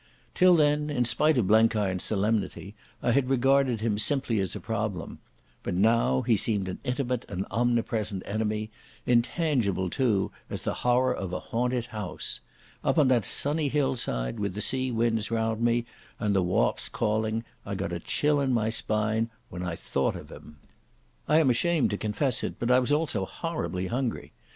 Till then, in spite of Blenkiron's solemnity, I had regarded him simply as a problem. But now he seemed an intimate and omnipresent enemy, intangible, too, as the horror of a haunted house. Up on that sunny hillside, with the sea winds round me and the whaups calling, I got a chill in my spine when I thought of him. I am ashamed to confess it, but I was also horribly hungry.